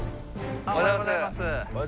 おはようございます。